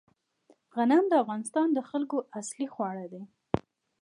غنم د افغانستان د خلکو اصلي خواړه دي